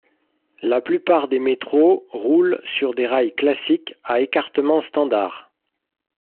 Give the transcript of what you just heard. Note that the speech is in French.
La plupart des métros roulent sur des rails classiques à écartement standard.